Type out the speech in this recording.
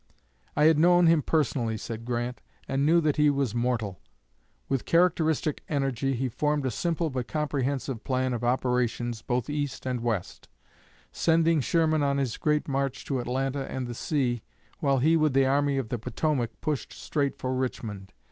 "I had known him personally," said Grant, "and knew that he was mortal." With characteristic energy he formed a simple but comprehensive plan of operations both East and West; sending Sherman on his great march to Atlanta and the sea, while he, with the Army of the Potomac, pushed straight for Richmond.